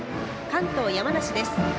関東・山梨です。